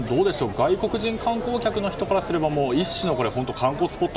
外国人観光客の方からすればもう、一種の観光スポット。